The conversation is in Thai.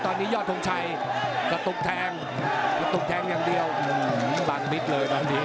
ตอนนี้ยอดโทงชัยก็ตกแทงตกแทงอย่างเดียวอืมบางมิตเลยบางที